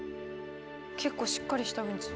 結構しっかりしたウンチ。